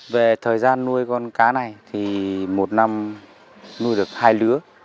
về thời gian nuôi con cá này thì một năm nuôi được hai lứa